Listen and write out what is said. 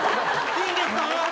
いいんですか！？